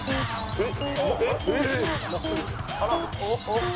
えっ。